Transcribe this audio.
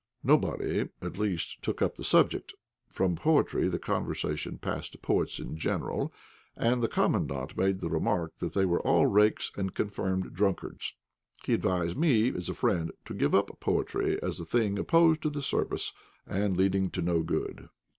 Nobody, at least, took up the subject. From poetry the conversation passed to poets in general, and the Commandant made the remark that they were all rakes and confirmed drunkards; he advised me as a friend to give up poetry as a thing opposed to the service, and leading to no good.